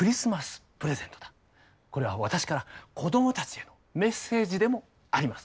これは私から子どもたちへのメッセージでもあります。